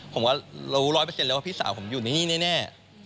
ผมก็รู้ร้อยเปอร์เซ็นต์เร็วว่าพี่สาวผมอยู่ในนี้แน่